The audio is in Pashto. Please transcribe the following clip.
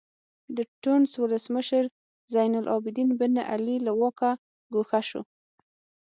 د ټونس ولسمشر زین العابدین بن علي له واکه ګوښه شو.